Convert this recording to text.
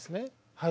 はい。